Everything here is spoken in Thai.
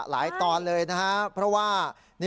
หลายตอนเลยเพราะว่า